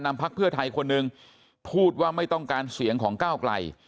นำพลักษณ์เพื่อไทยคนนึงพูดว่าไม่ต้องการเสียงของก้าวกลัย